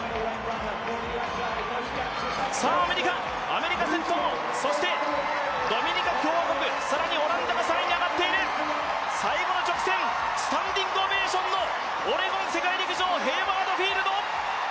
アメリカ先頭、そしてドミニカ共和国、更にオランダが３位に上がっている最後の直線、スタンディングオベーションのオレゴン世界陸上、ヘイワード・フィールド。